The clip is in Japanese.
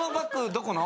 どこの？